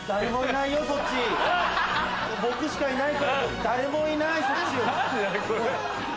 僕しかいないから誰もいないそっち。